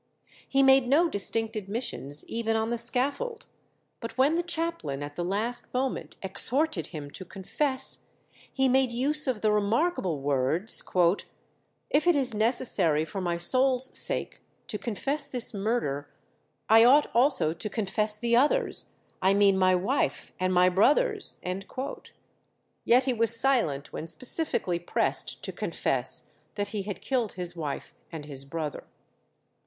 He made no distinct admissions even on the scaffold; but when the chaplain at the last moment exhorted him to confess, he made use of the remarkable words, "If it is necessary for my soul's sake to confess this murder, I ought also to confess the others: I mean my wife and my brother's." Yet he was silent when specifically pressed to confess that he had killed his wife and his brother.